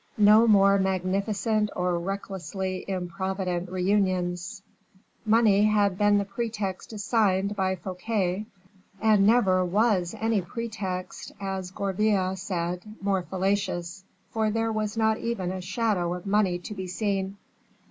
No more magnificent or recklessly improvident reunions. Money had been the pretext assigned by Fouquet, and never was any pretext, as Gourville said, more fallacious, for there was not even a shadow of money to be seen.